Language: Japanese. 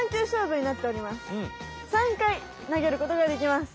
３かいなげることができます。